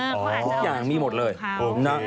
อ๋อเขาาอยู่บนเขาคุณพิเศษท้ายนี้อย่างนั้น